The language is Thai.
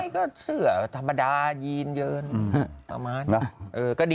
ก็เสื้อธรรมดาอื้นเยินเยิน